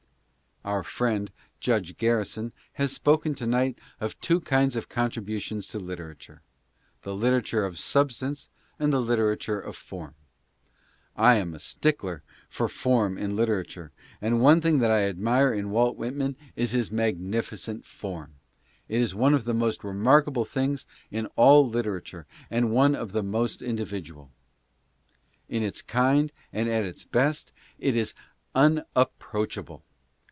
Our friend, Judge Garrison, has spoken to night of two kinds of contributions to literature — the literature of substance, and the literature of form. I am a stickler for form in literature, and one thing that I admire in Walt Whitman is his magnificent form. It is one of the most remarkable things in all literature and one of the most individual. In its kind, and at its best, it is unap proachable.